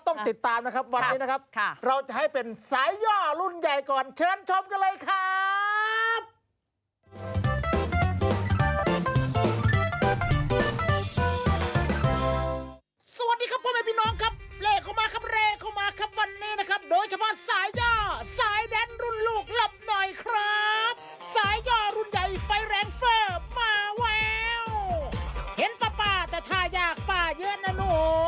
ต้องติดตามนะครับวันนี้นะครับเราให้เป็นมันแตกอย่างเยี่ยง